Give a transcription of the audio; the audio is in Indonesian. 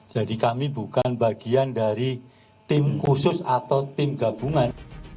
jadi kami bukan bagian dari tim khusus atau tim gabungan